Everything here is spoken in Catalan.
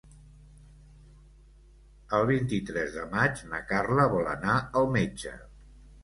El vint-i-tres de maig na Carla vol anar al metge.